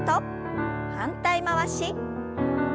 反対回し。